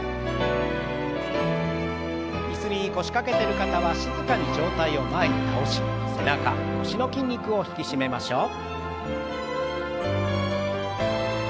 椅子に腰掛けてる方は静かに上体を前に倒し背中腰の筋肉を引き締めましょう。